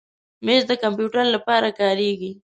مېز د کمپیوټر لپاره کارېږي.